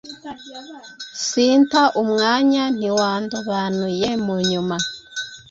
Sinta umwanya, ntiwandobanuye mu nyuma.